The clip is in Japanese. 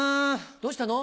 どうしたの？